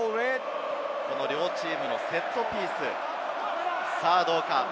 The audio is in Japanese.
両チームのセットピース、さあ、どうか？